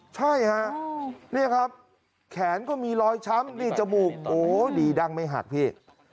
ใช่ฮะนี่ครับแขนก็มีรอยช้ำนี่จมูกโอ้ดีดั้งไม่หักพี่